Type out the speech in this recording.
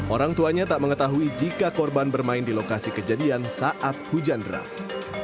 orang tuanya tak mengetahui jika korban bermain di lokasi kejadian saat hujan deras